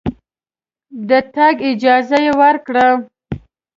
د تګ اجازه یې ورکړه.